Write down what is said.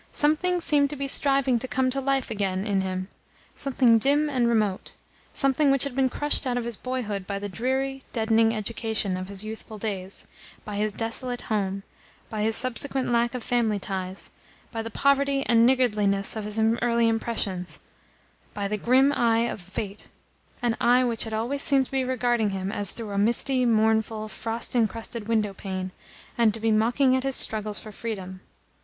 Something seemed to be striving to come to life again in him something dim and remote, something which had been crushed out of his boyhood by the dreary, deadening education of his youthful days, by his desolate home, by his subsequent lack of family ties, by the poverty and niggardliness of his early impressions, by the grim eye of fate an eye which had always seemed to be regarding him as through a misty, mournful, frost encrusted window pane, and to be mocking at his struggles for freedom.